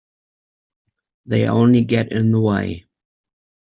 They only get in the way.